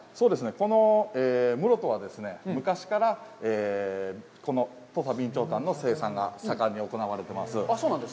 この室戸は、昔からこの土佐備長炭の生産が盛んに行われています。